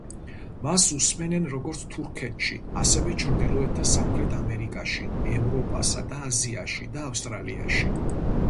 მას უსმენენ როგორც თურქეთში, ასევე ჩრდილოეთ და სამხრეთ ამერიკაში, ევროპასა და აზიაში და ავსტრალიაში.